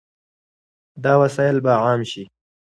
دا وسایل به عام شي.